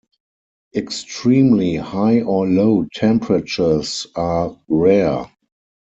Extremely high or low temperatures are rare.